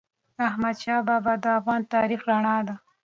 احمدشاه بابا د افغان تاریخ رڼا ده.